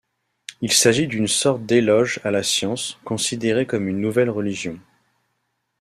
Il s’agit d’une sorte d’éloge à la science, considérée comme une nouvelle religion.